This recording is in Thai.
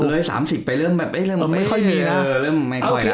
เบอร์๓๐ไปเริ่มแบบไม่ค่อยมีนะ